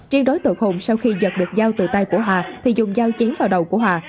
riêng đối tượng hùng sau khi giật được giao từ tay của hà thì dùng dao chém vào đầu của hòa